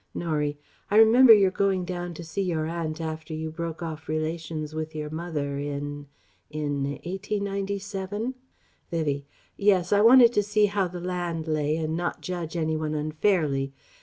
Norie: "I remember your going down to see your aunt after you broke off relations with your mother in in 1897...?" Vivie: "Yes. I wanted to see how the land lay and not judge any one unfairly.